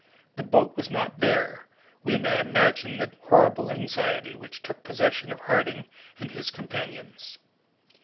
The boat was not there! We may imagine the horrible anxiety which took possession of Harding and his companions!